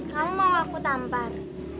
kamu mau aku tampar